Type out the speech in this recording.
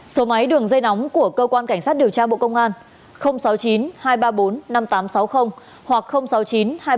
số máy đường dây nóng của cơ quan cảnh sát điều tra bộ công an sáu mươi chín hai trăm ba mươi bốn năm nghìn tám trăm sáu mươi hoặc sáu mươi chín hai trăm ba mươi hai một nghìn sáu trăm